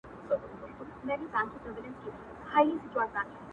تش په نامه دغه ديدار وچاته څه وركوي ـ